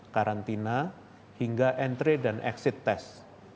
karantina hingga entry dan exit test